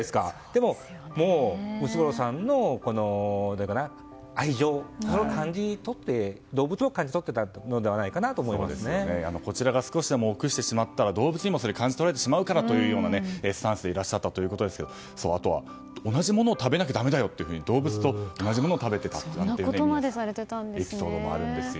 でも、ムツゴロウさんの愛情をすごく動物も感じ取っていたんじゃこちらが少しでも臆してしまったら動物にも感じ取られてしまうからというようなスタンスでいらっしゃったそうですがあと、同じものを食べなきゃだめだよというふうに動物と同じものを食べたというエピソードもあるんですよ。